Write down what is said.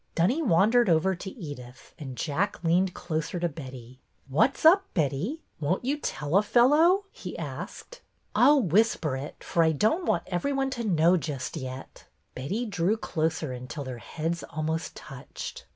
Dunny wandered over to Edyth, and Jack leaned closer to Betty. ''What's up, Betty? Won't you tell a fel low ?" he asked. " I 'll whisper it, for I don't want every one to know just yet." Betty drew closer until their heads almost touched.